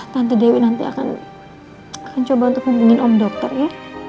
nanti dewi nanti akan mencoba untuk hubungin om dokter ya